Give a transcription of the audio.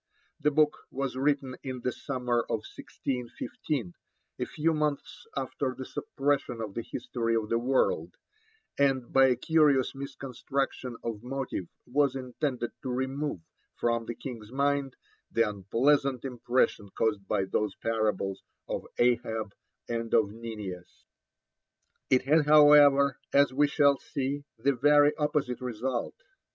The book was written in the summer of 1615, a few months after the suppression of the History of the World, and by a curious misconstruction of motive was intended to remove from the King's mind the unpleasant impression caused by those parables of Ahab and of Ninias. It had, however, as we shall see, the very opposite result.